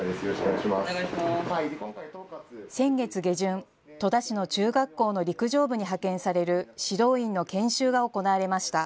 先月下旬、戸田市の中学校の陸上部に派遣される指導員の研修が行われました。